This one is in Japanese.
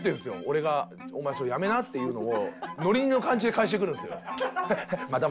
俺が「お前それやめな」って言うのをノリの感じで返してくるんですよ。